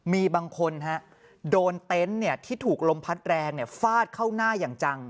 มีบางคนโดนเต็นต์ที่ถูกลมพัดแรงฟาดเข้าหน้าอย่างจัง